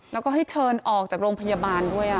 แล้วก็ให้เชิญออกจากโรงพยาบาลด้วย